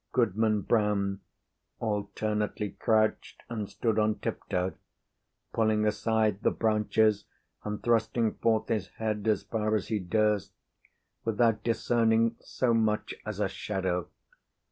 Goodman Brown alternately crouched and stood on tiptoe, pulling aside the branches and thrusting forth his head as far as he durst without discerning so much as a shadow.